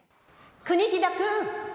国木田君。